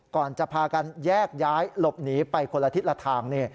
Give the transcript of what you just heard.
ก่อนจะพากันแยกย้ายหลบหนีไปคนละทิศละทาง